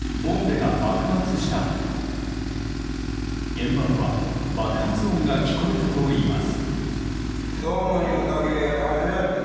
現場では爆発音が聞こえたといいます。